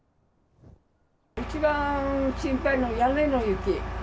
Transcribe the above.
一番心配なのは屋根の雪。